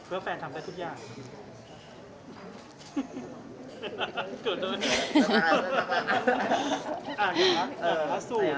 เพื่อแฟนทำได้ทุกอย่าง